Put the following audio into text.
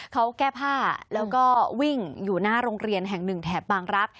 เขาแก้ผ้าแล้วก็วิ่งอยู่หน้าโรงเรียนแห่งหนึ่งแถบบางรักษ